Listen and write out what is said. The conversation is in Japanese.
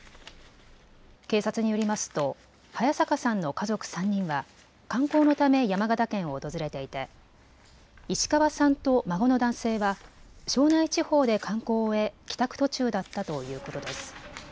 警察によりますと早坂さんの家族３人は観光のため山形県を訪れていて石川さんと孫の男性は庄内地方で観光を終え帰宅途中だったということです。